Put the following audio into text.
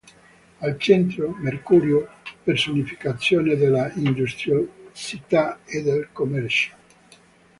Al centro, Mercurio, personificazione dell'industriosità e del commercio.